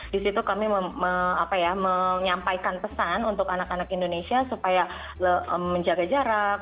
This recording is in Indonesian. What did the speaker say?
di situ kami menyampaikan pesan untuk anak anak indonesia supaya menjaga jarak